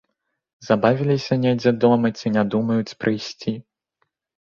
Забавіліся недзе дома ці не думаюць прыйсці.